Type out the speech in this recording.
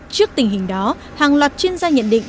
trước tình hình đó hàng loạt chuyên gia nhận định